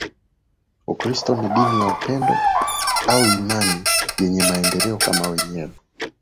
Ukristo ni dini ya upendo au imani yenye maendeleo kama mwenyewe